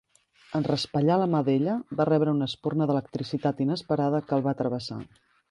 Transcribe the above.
En raspallar la mà d'ella, va rebre una espurna d'electricitat inesperada que el va travessar.